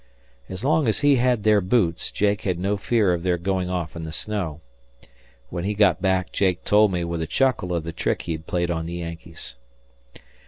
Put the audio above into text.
As long as he had their boots, Jake had no fear of their going off in the snow. When he got back, Jake told me, with a chuckle, of the trick he had played on the Yankees.